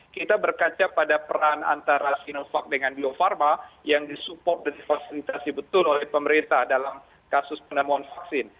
kita berkaca pada peran antara sinovac dengan bio farma yang disupport dan difasilitasi betul oleh pemerintah dalam kasus penemuan vaksin